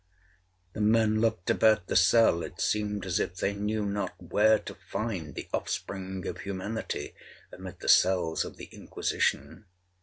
'The men looked about the cell—it seemed as if they knew not where to find the offspring of humanity amid the cells of the Inquisition.